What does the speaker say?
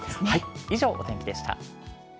以上、お天気でした。